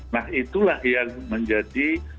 nah itulah yang menjadi